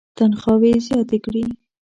تنخواوې یې زیاتې کړې.